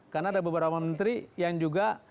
karena ada beberapa menteri yang juga